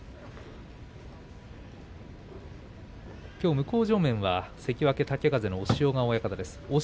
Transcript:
向正面は関脇豪風の押尾川親方です。